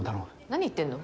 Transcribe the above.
何言ってんの？